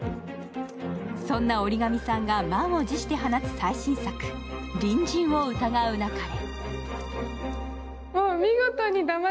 そんな織守さんが満を持して放つ最新作「隣人を疑うなかれ」。